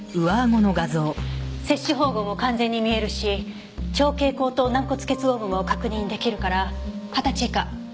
切歯縫合も完全に見えるし蝶形後頭軟骨結合部も確認出来るから二十歳以下。